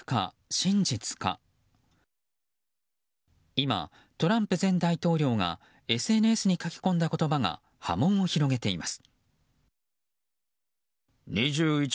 今、トランプ前大統領がＳＮＳに書き込んだ言葉が波紋を広げています。